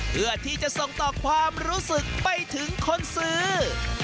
เพื่อที่จะส่งต่อความรู้สึกไปถึงคนซื้อ